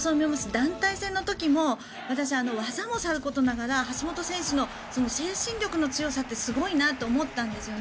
団体戦の時も私、技もさることながら橋本選手の精神力の強さってすごいなって思ったんです。